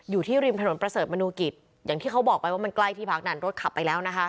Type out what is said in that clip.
อยู่ที่ริมถนนประเสริฐมนุกิจอย่างที่เขาบอกไปว่ามันใกล้ที่พักนั้นรถขับไปแล้วนะคะ